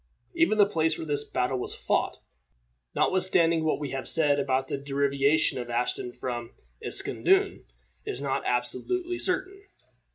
Even the place where this battle was fought, notwithstanding what we have said about the derivation of Aston from Æscesdune, is not absolutely certain.